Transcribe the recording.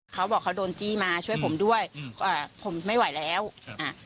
เขาบอกเขาโดนจี้มาช่วยผมด้วยอืมอ่าผมไม่ไหวแล้วครับอ่า